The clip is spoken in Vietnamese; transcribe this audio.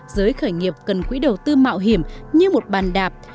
giới khởi nghiệp cần quỹ đầu tư mạo hiểm như một bàn đạp